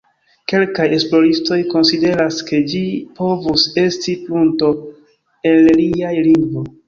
Kelkaj esploristoj konsideras ke ĝi povus estis prunto el alia lingvo.